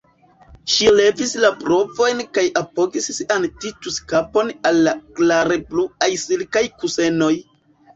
Ŝi levis la brovojn kaj apogis sian Titus-kapon al la klarebluaj silkaj kusenoj.